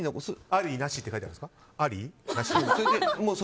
あり、なしって書いてあるんですか？